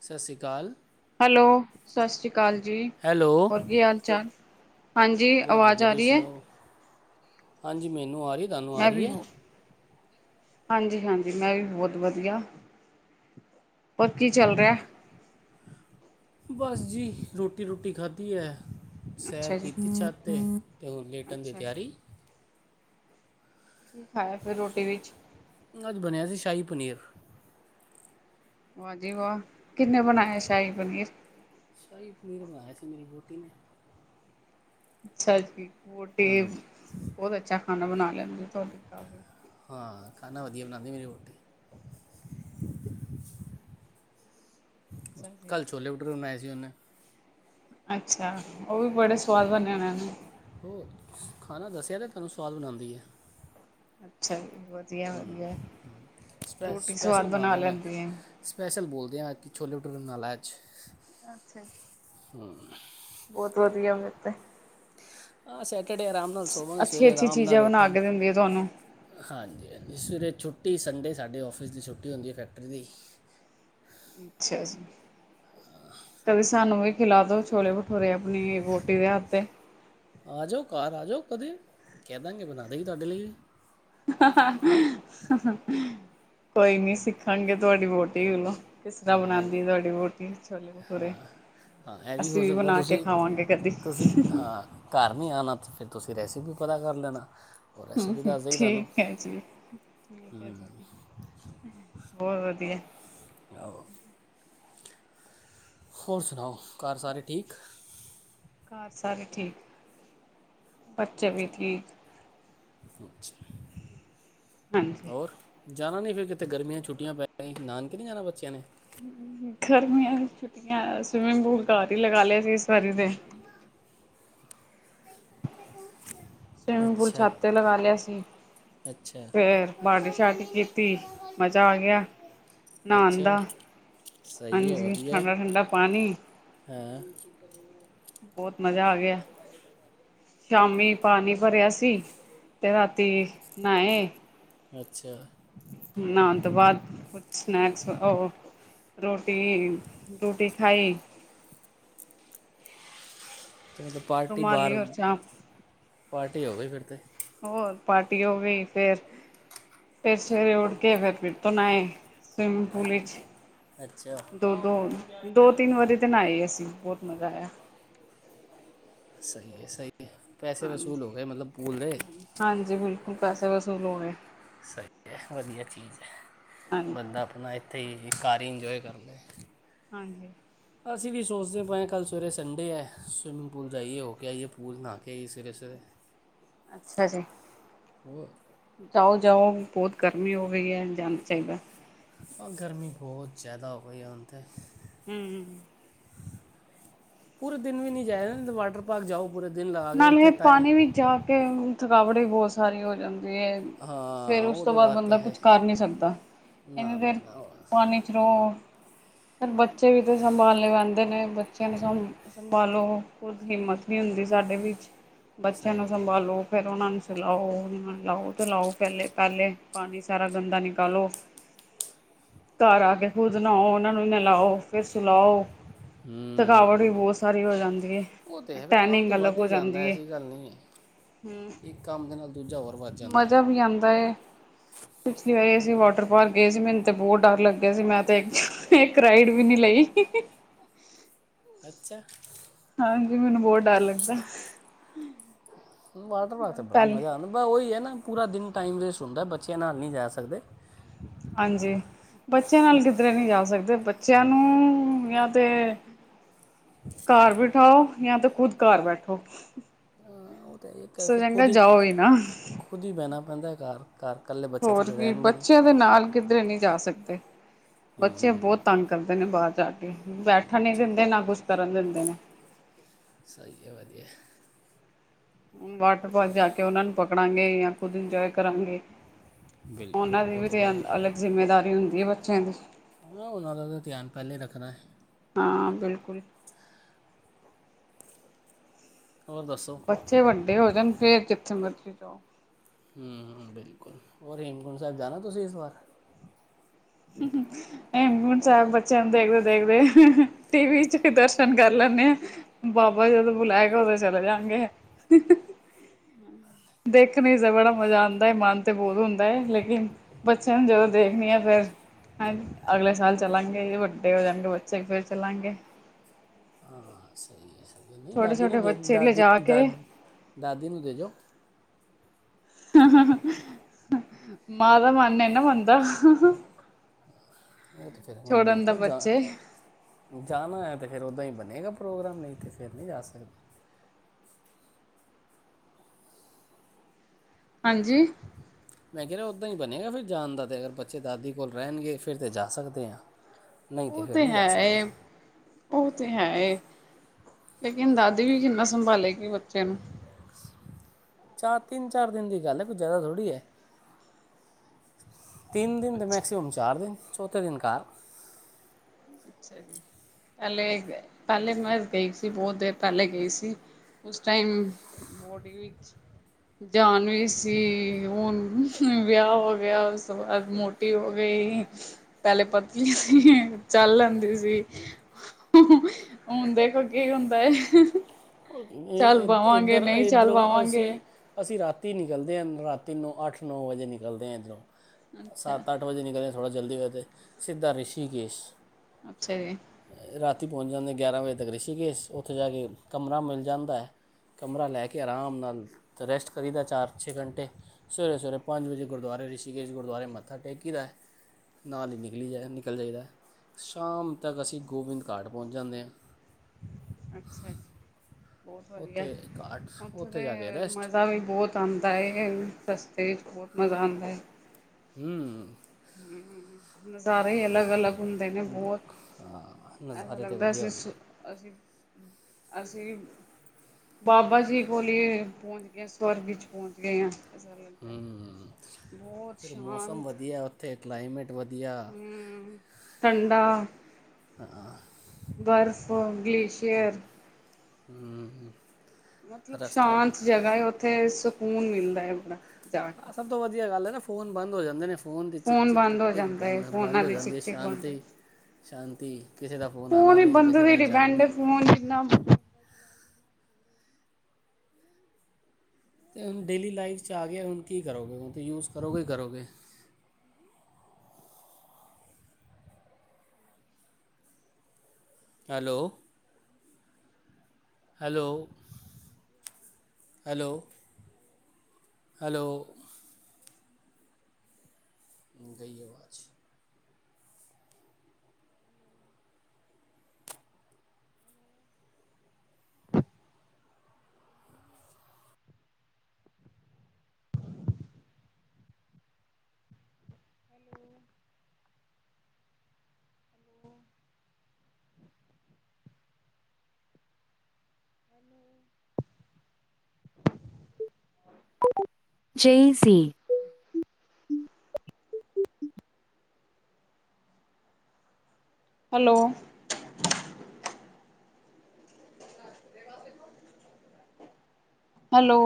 ਸਤਿ ਸ਼੍ਰੀ ਅਕਾਲ ਹੈਲੋ, ਸਤਿ ਸ੍ਰੀ ਕਾਲ ਜੀ ਹੈਲੋ ਹੋਰ ਕੀ ਹਾਲ ਚਾਲ ਹਾਂਜੀ ਬਹੁਤ ਆਵਾਜ਼ ਵਧੀਆ ਆ ਤੁਸੀਂ ਰਹੀ ਹੈ ਸੁਣਾਓ ਹਾਂਜੀ ਮੈਨੂੰ ਤੈਨੂੰ ਆਰੀ ਤੁਨੂੰ ਮੈਂ ਆਰੀ ਵੀ ਹੈ ਹਾਂਜੀ ਹਾਂਜੀ ਮੈਂ ਵੀ ਬਹੁਤ ਵਧੀਆ ਪਰ ਕੀ ਚੱਲ ਰਿਹਾ ਬਸ ਜੀ ਰੋਟੀ ਰੋਟੀ ਖਾਧੀ ਹੈ ਸੈਰ ਅੱਛਾ ਕੀ ਜੀ, ਇੱਛਤ ਅਤੇ ਅਤੇ ਉਹ ਲੇਟਣ ਦੀ ਅੱਛਾ ਜੀ। ਤਿਆਰੀ ਕੀ ਖਾਇਆ ਫਿਰ ਰੋਟੀ ਵਿੱਚ ਅੱਜ ਬਣਿਆ ਸੀ ਸ਼ਾਹੀ ਪਨੀਰ ਵਾਜੀ ਵਾਹ ਕਿੰਨੇ ਬਣਾਆ ਸ਼ਾਹੀ ਪਨੀਰ ਸ਼ਾਹੀ ਪਨੀਰ ਬਣਾਇਆ ਸੀ ਮੇਰੀ ਬੋਟੀ ਨੇ ਅੱਛਾ ਜੀ ਰੂੋਟੇ ਬਹੁਤ ਅੱਛਾ ਖਾਣਾ ਬਣਾਉਣਾ ਲੈਂਦੇ [unintelligible] ਹਾਂ ਖਾਣਾ ਵਧੀਆ ਬਣਾਉਂਦੀ ਮਰੀ ਰੋਟੀ ਅੱਛਾ ਜੀ, ਕੱਲ ਛੌਲੇ ਬੂਟਰੇ ਬਨਾਅੇ [unintelligible] ਅੱਛਾ ਉਹ ਵੀ ਬੜੇ ਸਵਾਦ ਬਣੇਣੇੂੰ ਹੋਰ ਖਾਣਾ ਦੱਸਿਆ ਤਾਂ ਤੁਹਾਨੂੰ ਸਵਾਦ ਬਣਾਉਂਦੀ ਹੈ ਅੱਛਾ ਜੀ ਵਧੀਆ ਵਧੀਆ ਸਪੈ ਰੋਟੀ ਸਪੈਸ਼ਲ ਸਵਾਦ ਬਣਾ ਬਣਾਉਂਦੇ ਮੈਂ ਲੈਂਦੀ ਆ ਸਪੈਸ਼ਲ ਬੋਲਦੇ ਹਾਂ ਕਿ ਛੋਲੇ ਛੋਲੇ ਮਨਾਾਲਾ 'ਚ ਅੱਛਾ ਹਮ ਬਹੁਤ ਵਧੀਆੇ ਉ ਤੇ [unintelligible] ਟੜੇ ਆਰਾਮ ਨਾਲ ਸੋਵਾਂਗੇ ਸਵੇਰੇ ਅੱਛੀ-ਅੱਛੀ ਆਰਾਮ ਚੀਜ਼ਾਂ ਨਾਲ ਬਣਾ ਕੇ ਉੱਠਾਂਗੇ ਦਿੰਦੀ ਹੈ ਤੁਹਾਨੂੰ ਹਾਂਜੀ ਹਾਂਜੀ ਸਵੇਰੇ ਛੁੱ ਛੁਟੀ ਸੰਡੇ ਸਾਡੇ ਔਫਿਸ ਦੀ ਛੁਟੀ ਹੁੰਦੀ ਫੈਕਟਰੀ ਦੀ ਅੱਛਾ ਜੀ ਕਦੇ ਸਾਨੂੰ ਵੀ ਖਿਲਾ ਦੋ ਛੋਲੇ ਭਠੂਰੇ ਆਪਣੀ ਰੋਟੀ ਦੇ ਹੱਥ ਉਹਦੇ ਕਹਿ ਦਾਂਗੇ ਬਣਾ ਦੇ ਜ ਤੁਹਾਡੇ ਲਈ ਕੋਈ ਨੀ ਸਿੱਖਣਗੇ ਤੁਹਾਡੀ ਵੋਟੀ ਵਲੋਂ ਕਿਸ ਤਰ੍ਹਾਂ ਹਾਂ ਇਹ ਬਣਾਉਂਦੀ ਆ ਤੁਹਾਡੀ ਰੋਟੀ ਛੋਲੇ ਭਟੂਰੇ ਹਾਂ ਇਹ ਅਸੀਂ ਹੋ ਵੀ ਸਕਦਾ ਬਣਾ ਕੇ ਤੁਸੀਂ ਖਾਵਾਂਗੇ ਕਦੀ ਤੁਸੀਂ ਹਾਂ ਘਰ ਨਹੀਂ ਆਉਣਾ ਫਿਰ ਤੁਸੀਂ ਰੈਸਿਪੀ ਪਤਾ ਕਰ ਲੈਣਾ ਉਹ ਹਮ ਰੈਸਿਪੀ ਹਮ ਦੱਸ ਦੇਗੀ ਤੁਹਾਨੂੰ ਠੀਕ ਹੈ ਜੀ ਬਹੁਤ ਵਧੀਆ ਆਹੋ। ਹੋਰ ਸੁਣਾਓ, ਘਰ ਸਾਰੇ ਠੀਕ? ਘਰ ਸਾਰੇ ਠੀਕ, ਬੱਚੇ ਵੀ ਚਲੋ ਠੀਕ। ਅੱਛਾ। ਹਾਂਜੀ। ਹੋਰ ਜਾਣਾ ਨਹੀਂ ਫਿਰ ਕਿਤੇ, ਗਰਮੀਆਂ ਛੁਟੀਆਂ ਪੈ ਗਈਆਂ ਨਾਨਕੇ ਨਹੀਂ ਜਾਣਾ ਬੱਚਿਆਂ ਨੇ? ਗਰਮੀਆਂ ਦੀ ਛੁੱਟੀਆਂ, ਸਵਿਮਿੰਗ ਪੂਲ ਘਰ ਹੀ ਲਗਾ ਲਿਆ ਸੀ ਇਸ ਵਾਰੀ ਤੇ। ਸਵੀਮਿੰਗ ਪੂਲ ਅੱਛਾ ਛਤਤੇ ਲਗਾ ਲਿਆ ਸੀ ਫੇਰ ਪਾਰਟੀ ਸ਼ਾਟੀ ਕੀਤੀ ਮਜ਼ਾ ਆ ਗਿਆ ਨਹਾਉਣ ਦਾ, ਹਾਂਜੀ ਠੰਡਾ-ਠੰਡਾ ਪਾਣੀ। ਹੈਂ? ਬਹੁਤ ਮਜ਼ਾ ਆ ਗਿਆ ਸ਼ਾਮੀ ਪਾਣੀ ਭਰਿਆ ਸੀ ਤੇ ਰਾਤੀ ਨਾਏ। ਅੱਛਾ। ਨਾਉਣ ਤੋਂ ਬਾਅਦ ਕੁਛ ਸਨੈਕਸ ਉਹ ਰੋਟੀ-ਰੋਟੀ ਖਾਈ। ਮਤਲਬ ਪਾਰਟੀ ਰੁਮਾਲੀ ਬਾਹਰ, ਔਰ ਚਾਪ ਪਾਰ ਟੀ ਹੋਗੀ ਫਿਰ ਤੇ। ਹੋਰ ਪਾਰਟੀ ਹੋ ਗਈ ਫਿਰ-ਫਿਰ ਸਵੇਰੇ ਉੱਠ ਕੇ ਫਿਰ-ਫਿਰ ਤੋਂ ਨਾਏ। ਸਵਿਮਿੰਗ ਪੂਲ ਅ- ਚ, ਅੱਛਾ ਦੋ-ਦੋ, ਦੋ ਤਿੰਨ ਵਾਰੀ ਤੇ ਨਾਏ ਅਸੀਂ। ਮਜ਼ਾ ਆਇਆ। ਸਹੀ ਹੈ ਸਹੀ ਹੈ ਪੈਸੇ ਹਾਂਜੀ, ਵਸੂਲ ਹੋ ਗਏ ਮਤਲਬ ਪੂਲ ਦੇ ਹੂੰ, ਹਾਂਜੀ ਬਿਲ ਪੈਸੇ ਵਸੂਲ ਹੋ ਗਏ। ਸਹੀ ਹੈ, ਵਧੀਆ ਚੀਜ਼ ਹੈ, ਹਾਂਜੀ। ਬੰਦਾ ਆਪਣਾ ਇ ਤੇ ਏ ਘਰ ਹੀ ਇੰਜੋਏ ਕਰ ਲੇ। ਹਾਂਜੀ। ਅਸੀਂ ਵੀ ਸੋਚਦੇ ਪਏ ਹਾਂ, ਕੱਲ ਸਵੇਰੇ ਸੰਡੇ ਹੈ ਸਵੀਮਿੰਗ ਪੂਲ ਜਾਈਏ ਹੋ ਕੇ ਆਈਏ ਪੂਲ, ਨਹਾ ਕੇ ਆਈਏ ਸਵੇਰੇ-ਸਵੇਰੇ। ਅੱਛਾ ਜੀ। ਹੋਰ ਜਾਓ-ਜਾਓ ਬਹੁਤ ਗਰਮੀ ਹੋ ਗਈ ਐ, ਜਾਣਾ ਚਾਹੀਦਾ ਐ। ਹਾਂ ਗਰਮੀ ਬਹੁਤ ਜ਼ਿਆਦਾ ਹੋਈ ਹੈ ਹੁਣ ਤੇ। ਹੂੰ। ਪੂਰੇ ਦਿਨ ਵੀ ਨਹੀਂ ਜਾਯਾ ਜਾਂਦਾ ਨਹੀਂ ਤੇ ਵਾਟਰ ਪਾਰਕ ਜਾਓ। ਪੂਰੇ ਦਿਨ ਲਗਾ ਕੇ ਨਾਲ ਉੱਥੇ ਇਹ ਟਾਈਮ ਪਾਣੀ ਵੀ ਜਾ ਕੇ ਥਕਾਵਟ ਵੀ ਬਹੁਤ ਸਾਰੀ ਹੋ ਜਾਂ ਦੀ ਹੈ ਤੇ ਹਾਂ ਫਿਰ ਉਸ ਤੋਂ ਉਹਦੇ ਬਾਅਦ ਵਾਸਤੇ ਬੰਦਾ ਹੈ ਕੁਛ ਕਰ ਨਹੀਂ ਸਕਦਾ, ਨਾ ਇੰਨੀ ਨਾ ਦੇਰ ਨਾ ਉਹ ਪਾਣੀ 'ਚ ਰਹੋ। ਫਿਰ ਬੱਚੇ ਵੀ ਤੇ ਸੰਭਾਲੇ ਪੈਂਦੇ ਨੇ। ਬੱਚਿਆਂ ਨੂੰ ਸੰਭ ਸੰਭਾਲੋ। ਖੁਦ ਹਿੰਮਤ ਵੀ ਹੁੰਦੀ ਸ ਸਾਡੇ ਵਿੱਚ। ਬੱਚਿਆਂ ਨੂੰ ਸਹੀ ਗੱਲ ਸੰਭਾਲੋ ਫੇਰ ਉਹਨਾ ਨੂੰ ਖਿਲਾਓ ਉਹਨਾਂ ਨ ਖਿਲਾਓ ਪਿਲਾਓ, ਪਹਿਲੇ-ਪਹਿਲੇ। ਪਾਣੀ ਸਾਰਾ ਗੰਦਾ ਨਿਕਾਲੋ ਘਰ ਆ ਕੇ ਖੁਦ ਨਾਹਾਓ ਉਹਨਾ ਨੂੰ ਨਲਾਓ ਫਿਰ ਸੁਲਾਓ ਥਕਾਵਟ ਵੀ ਹੂੰ ਬਹੁਤ ਸਾਰੀ ਹੋ ਜਾਂਦੀ ਹੈ ਟੈਨਿੰਗ ਹੋ ਵੱਧੀ ਜਾਂਦਾ ਜਾਂਦੀ ਹੈ ਐਸੀ ਗੱਲ ਨਹੀਂ ਹੈ ਹਮ ਇਹ ਕੰਮ ਹਨ ਮਜ਼ਾ ਵੀ ਆਉਂਦਾ ਪਿਛਲੀ ਵਾਰੀ ਅਸੀਂ ਵਾਟਰ ਪਾਰਕ ਗਏ ਸੀ ਮੈਨੂੰ ਤੇ ਬਹੁਤ ਡਰ ਲੱਗਿਆ ਸੀ ਮੈਂ ਤੇ ਇੱਕ ਰਾਈਡ ਵੀ ਨੀ ਲਈ ਅੱੱਚਾ ਹਾਂਜੀ ਮੈਨੂੰ ਬਹੁਤ ਡਰ ਲੱਗਦਾ ਵਾਟਰ ਪਾਰਕ ਚ ਬੜਾ ਪਹਿਲੇ ਮਜਾ ਆਉਂਦਾ ਉਹੀ ਹੈ ਨਾ ਪੂਰਾ ਦਿਨ ਟਾਈਮ ਵੇਸਟ ਹੁੰਦਾ ਬੱਚਿਆਂ ਨਾਲ ਨਹੀਂ ਜਾ ਸਕਦੇ ਹਾਂਜੀ ਬੱਚਿਆਂ ਨਾਲ ਕਿੱਧਰੇ ਨਹੀਂੀ ਜਾ ਸਕਦੇ ਬੱਚਿਆਂ ਨੂੰ ਜਾਂ ਤੇ [unintelligible] ਉਠਾਓ ਜਾਂ ਤੇ ਖੁਦ ਘਰ ਬੈਠੋ ਹਾਂ ਉਹ ਤਾਂ ਇੱਕ ਇਸ ਤੋਂ ਫਿਰ ਚੰਗਾ ਖੁਦ ਹੀ ਜਾਓ ਨਾ ਖੁਦ ਹੀ ਬਹਿਣਾ ਅੰਧਦਾ ਘਰ ਘਰ ਇਕੱਲੇ ਬੱਚੇ ਹੋਰ ਥੋੜੇ ਕੀ ਰਹਿਣਗੇ ਨਹੀਂ ਬੱਚਿਆਂ ਦੇ ਨਾਲ ਕਿੱਧਰੇ ਨਹੀਂੀ ਜਾ ਸਕੇ ਤੇ ਹਾਂ ਬੱਚੇ ਹਾਂ, ਬਹੁਤ ਤੰਗ ਕਰਦੇ ਨੇ ਬਾਅਦ ਹਾਂ, ਬੈਠਣ ਨੀ ਚਲੋ, ਦਿੰਦੇ ਨਾ ਕੁਛ ਕਰਨ ਦਿੰਦੇ ਨੇ ਸਹੀ ਹੈ ਵਧੀਆ ਵਾਟਰਫਾਲ ਜਾ ਕੇ ਉਹਨਾਂ ਨੂੰ ਪਕੜਾਂਗੇ ਜਾਂ ਖੁਦ ਇੰਜੋਏ ਕਰਾਂਗੇ ਉਹਨਾਂ ਬਿਲਕੁਲ ਦੀ ਉਹ ਵੀ ਤੇ ਹੈ ਹੀ ਹੈ ਅਲੱਗ ਜਿੰਮੇਦਾਰੀ ਹੁੰ ਇਹ ਬੱਚਿਆਂ ਦੀ ਹਾਂ ਉਹਨਾਂ ਦਾ ਤਾਂ ਧਿਆਨ ਪਹਿਲੇੇ ਰੱਖਦਾ ਹੈ ਹਾਂ ਬਿਲਕੁਲ ਹੋਰ ਦੱਸੋ ਬੱਚੇ ਵੱਡੇ ਹੋ ਜਾਣ ਫੇਰ [unintelligible] ਹਮ ਹ ਬਿਲਕੁਲ ਹੋਰ ਹੇਮਕੁੰਟ ਸਾਹਿਬ ਜਾਣਾ ਤੁਸੀਂ ਇਸ ਵਾਰ ਸਾਹਿਬ ਬੱਚਿਆਂ ਨੂੰ ਦੇਖਦੇ ਦੇਖਦੇ ਟੀਵ ਚ ਵੀ ਦਰਸ਼ਨ ਕਰ ਲੈਦੇ ਆ ਬਾਬਾ ਜਦੋਂ ਬੁਲਾਇ ਕੇ ਉਦੋਂ ਚਲੇ ਜਾਗੇ ਦੇਖਣੀ ਤੇ ਬੜਾ ਮਜ਼ਾ ਆਉਂਦਾ ਹੈ ਮਨ ਤੇ ਬਹੁਤ ਹੁੰਦਾ ਹੈ ਲੇਕਿਨ ਬੱਚਿਆਂ ਨੂੰ ਜਦੋਂ ਦੇਖਣੀ ਆ ਫੇਿਰ ਹ ਅਗਲੇ ਸਾਲ ਚੱਲਾਂਗੇ ਵੱਡੇ ਹੋ ਜਾਣਗੇ ਬੱਚੇ ਫਿਰ ਚੱਲਾਂਗੇ ਹਾਂ ਸਹੀ ਹੈ ਨਹੀਂ ਛੋਟੇ ਦਾਦੀ ਨੂੰ ਛੋਟੇ ਬੱਚੇ ਦੇਦੀ ਲਿਜਾ ਦਾ ਕੇ ਦਾਦੀ ਨੂੰ ਦੇਜੋ [unintelligible] ਮਾਂ ਦਾ ਮਨ ਨਾ ਮੰਨਦਾ ਹਾਂ ਹ ਉਹ ਤੇ ਫਿਰ ਹੁਣ ਦੇਖ ਲਓ ਜਾ ਜਾਣਾ ਹੈ ਤੇ ਫੇਰ ਓਦਾਂ ਹੀ ਬਣੇਗਾ ਪ੍ਰੋਗਰਾਮ ਨਹੀਂ ਇਥੇ ਫਿਰ ਨਹੀਂ ਜਾ ਸਕਦੇ ਹਾਂਜੀ ਦ ਹੀ ਬਣੇਗਾ ਫਿਰਰ ਜਾਣ ਦਾ ਤੇ ਅਗਰ ਬੱਚੇ ਦਾਦੀ ਕੋਲ ਰਹਿਣਗੇ ਫਿਰ ਤਾਂ ਜਾ ਸਕਦੇ ਆਾਂ ਉਹ ਤੇ ਹੈ ਉਹ ਤੇ ਹੈ ਲੇਕਿਨ ਦਾਦੀ ਵੀ ਕਿੰਨਾ ਸੰਭਾਲੇ ਕਿ ਚਾਰ ਤਿੰਨ ਚਾਰ ਦਿਨ ਦੀ ਗੱਲ ਹੈ ਕੁ ਜ਼ਿਆਦਾ ਥੋੜ੍ਹੀ ਹੈ ਤਿੰਨ ਦਿਨ ਦੇ ਅੱਛਾ ਮੈਕਸਸੀਮਮ ਚਾਰ ਦਿਨ ਚੌਥੇ ਦਿਨ ਘਰ ਅ ਜੀ ਪਹਿਲੇ ਪਹਿਲੇ ਮੈਂ ਗਈ ਸੀ ਬਹੁਤ ਦੇਰ ਪਹਿਲੇ ਗਈ ਸੀ ਉਸ ਟਾਈਮ ਬੋਡੀ ਵਿੱਚ ਜਾਨ ਵੀ ਸੀ ਹੁਣ ਵਿਆਹ ਹੋ ਗਿਆ ਉਸ ਤੋਂ ਬਾਅਦ ਮੋਟੀ ਹੋ ਗਈ ਪਹਿਲੇ ਪਤਲ ਸੀ ਚੱਲ ਦੀ ਸੀ ਹੁਣ ਦੇਖੋ ਕੀ ਹੁੰਦਾ ਹੈ ਇ ਇੱਧਰ ਇੱਧਰੋਂ ਪਾਵਾਂਗੇ ਅਸੀਂ ਅਸੀਂ ਰਾਤ ਤੀ ਨਿਕਲਦੇ ਹਨ ਰਾਤੀ ਨੂੰ ਅੱਠ ਨੌ ਵਜੇ ਨਿਕਲਦੇ ਆ ਇੱਧਰੋਂ ਅੱਛਾ ਸੱਤ ਅੱਠ ਵਜੇ ਨਿਕਲੇ ਥੜ੍ਹਾ ਜਲਦੀ ਵਹਿਤੇ ਸਿੱਧਾ ਰਿਸ਼ੀਕੇਸ਼ [unintelligible] [unintelligible] ਪਹੁੰਚ ਜਾਂਦੇ ਗਿਆਰਾਂ ਵਜੇ ਤੱਕ ਰਿਸੀ ਕੇ ਉੱਥੇ ਜਾ ਕੇ ਕਮਰਾ ਮਿਲਦਾ ਜਾਂਦਾ ਹੈ ਕਮਰਾ ਲੈ ਕੇ ਆਰਾਮ ਨਾਲ ਰੈਸਟ ਕਰੀਦਾ ਚਾਰ ਛੇ ਘੰਟੇ ਸਵੇਰੇ ਸਵੇਰੇ ਪੰਜ ਵਜੇ ਗੁਰਦੁਆਰੇ ਰਿਸ਼ੀਕੇਸ਼ ਗੁਰਦੁਆਰੇ ਮੱਥਾ ਟੇਕੀ ਦਾ ਨਾਲ ਹੀ ਨਿਕਲੀ ਜਾ ਨਿਕਲ ਜਾਈਦਾ ਸ਼ਾਮ ਤੱਕ ਅਸੀਂ ਗੋਬਿੰਦ ਘਾਟ ਪਹੁੰਚ ਜਾਂਦੇ ਹਾਂ ਅੱਛਾ ਜ ਬਹੁਤ ਵਧੀਆ ਉੱਥੇ ਘਾਟ ਉੱਥੇ ਜਾ ਕੇ ਦੇ ਰੈਸਟ ਮਜ਼ਾ ਵੀ ਬਹੁਤ ਆਉਂਦਾ ਹੈ ਰਸਤੇ ਬਹੁਤ ਮਜ਼ਾ ਆਉਦਾ ਹੈ ਹਮ ਹਮ ਨਜ਼ਾਰੇ ਅਲੱਗ ਅਲੱਗ ਸੁਣਦੇ ਨੇ ਬਹੁਤ ਹਾਂ ਐਸਾ ਨਜ਼ਾਰੇ ਤੇ ਲੱਗਦਾ ਵਧੀਆ ਅਸੀਂ ਹੁੰਦੇ ਸੁ ਨੇ। ਅਸੀਂ ਅਸੀਂ ਬਾਬਾ ਜੀ ਕੋਲ ਪਹੁੰਚ ਗਏ ਸਵਰਗ ਵਿੱਚ ਪਹੁੰਚ ਗਏ ਹਾਂ [unintelligible] ਲੱਗਦਾ ਹੈ ਹੂੰ ਬਹੁਤ ਸ਼ਾਂਤ ਅਤੇ ਕਲਾਈਮੇਟ ਵਧੀਆ ਹਮ ਠੰਡਾ ਹਹ ਬਰਫ ਗਲੇਸ਼ੀਅਰ ਹਮ ਮਤਲਬ ਸ਼ਾਂਤ ਜਗ੍ਹਾ ਹੈ ਉੱਥੇ ਸੁ ਸਕੂਨ ਮਿਲਦਾ ਹੈ ਬੜਾ ਜਾ ਹ ਕੇ ਸਭ ਤੋਂ ਵਧੀਆ ਗੱਲ ਹੈ ਨਾ ਫੋਨ ਬੰਦ ਹੋ ਜਾਂਦੇ ਨੇ ਫੋਨ ਦੀ ਚਿਕ ਚਿਕ ਟਿਕ ਬੰਦ ਹੋ ਟਿਕ ਜਾਂਦਾ ਹੈ ਬੰਦ ਫੋਨਾਂ ਬੰਦ ਹੋ ਦੀ ਜਾਂਦੀ ਚਿਕ ਹੈ ਚਿਕ ਬੰਦ ਸ਼ਾਂਤੀ ਸ਼ਾਂਤੀ ਕਿਸੇ ਦਾ ਫੋਨ ਆਉਣਾ ਹੀ ਨਹੀਂ ਬੰਦੇ ਕਿਸੇ ਤੇ ਦਾ ਜਾਣਾ ਡਿਪੈਂਡ ਹੈ ਨਹੀਂ ਫੋਨ ਜਿੰਨਾ ਅਤੇ ਹੁਣ ਡੇਲੀ ਲਾਈਫ 'ਚ ਆ ਗਿਆ ਹੁਣ ਕੀ ਕਰੋਗੇ ਹੁਣ ਤਾਂ ਯੂਜ ਕਰੋਗੇ ਕਰੋਗੇ ਹੈਲੋ ਹੈਲੋ ਹੈਲੋ ਹੈਲੋ ਗਈਏ ਬਾਦ ਹਨਨੂੰ ਜੇ ਸੀ ਹੈਲੋ ਹੈਲੋ